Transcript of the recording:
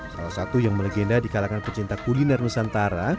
salah satu yang melegenda di kalangan pecinta kuliner nusantara